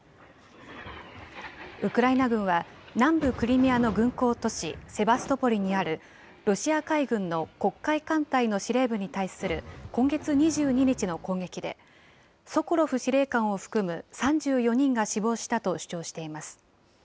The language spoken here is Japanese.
ウクライナ軍は、南部クリミアの軍港都市セバストポリにあるロシア海軍の黒海艦隊の司令部に対する今月２２日の攻撃で、ソコロフ司令官を含む３４人が死亡したと主張しています。